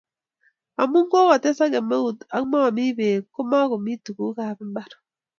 amun kokotesak kemeut ak mami bek ko makomi tuguk ab mbar